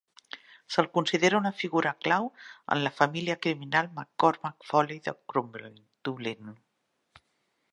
Se'l considera una figura clau en la família criminal McCormack-Foley de Crumlin (Dublín).